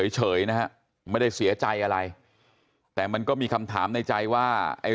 เฉยนะฮะไม่ได้เสียใจอะไรแต่มันก็มีคำถามในใจว่าไอ้